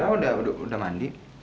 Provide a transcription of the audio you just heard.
udah udah mandi